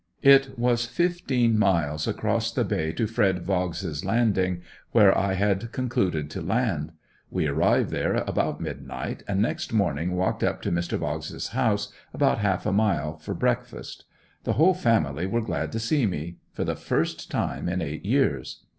It was fifteen miles across the Bay to Fred Vogg's landing, where I had concluded to land. We arrived there about midnight and next morning walked up to Mr. Vogg's house, about half a mile for breakfast. The whole family were glad to see me for the first time in eight years.